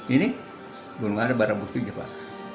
ini belum ada barang buktinya pak